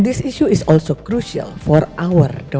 dan isu ini juga bergantung kepada